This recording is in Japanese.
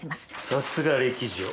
さすが歴女。